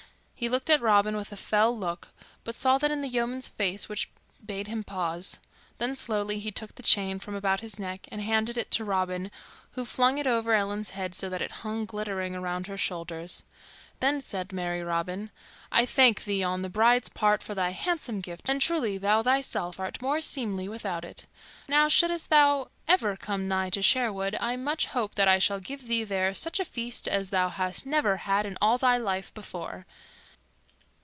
He looked at Robin with a fell look, but saw that in the yeoman's face which bade him pause. Then slowly he took the chain from about his neck and handed it to Robin, who flung it over Ellen's head so that it hung glittering about her shoulders. Then said merry Robin, "I thank thee, on the bride's part, for thy handsome gift, and truly thou thyself art more seemly without it. Now, shouldst thou ever come nigh to Sherwood I much hope that I shall give thee there such a feast as thou hast ne'er had in all thy life before."